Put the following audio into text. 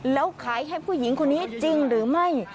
แล้วขายให้ผู้หญิงคนนี้จริงหรือไม่